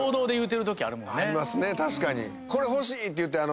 確かに。